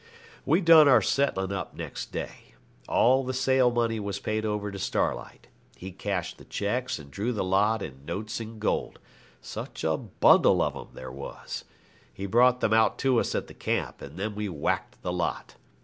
We done our settling up next day. All the sale money was paid over to Starlight. He cashed the cheques and drew the lot in notes and gold such a bundle of 'em there was. He brought them out to us at the camp, and then we 'whacked' the lot.